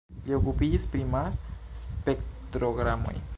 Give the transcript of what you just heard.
Li okupiĝis pri Mas-spektrogramoj.